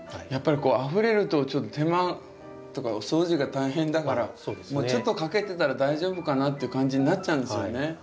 やっぱりあふれると手間とかお掃除が大変だからちょっとかけてたら大丈夫かなっていう感じになっちゃうんですよね。